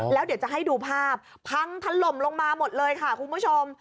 แล้วเดี๋ยวจะให้ดูภาพพังถล่มลงมาหมดเลยค่ะคุณผู้ชม